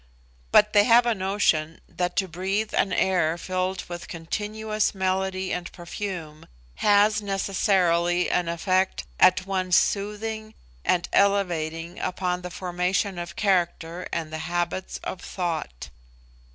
But they have a notion that to breathe an air filled with continuous melody and perfume has necessarily an effect at once soothing and elevating upon the formation of character and the habits of thought.